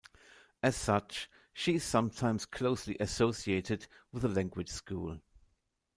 As such, she is sometimes closely associated with the Language School.